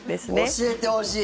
教えてほしい。